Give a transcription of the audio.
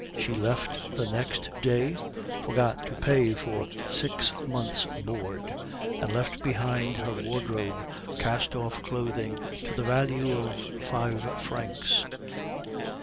She left the next day, forgot to pay for six months' board, and left behind her wardrobe, cast off clothing to the value of five francs.